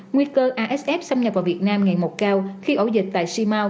nguy cơ asf xâm nhập vào việt nam ngày một cao khi ổ dịch tại si mao